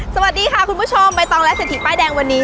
สวัสดีค่ะคุณผู้ชมใบตองและเศรษฐีป้ายแดงวันนี้